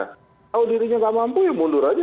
kalau dirinya tidak mampu ya mundur saja